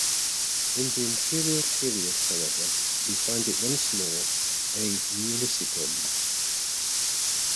In the imperial period, however, we find it once more a "municipium".